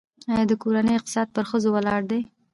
آیا د کورنۍ اقتصاد پر ښځو ولاړ دی؟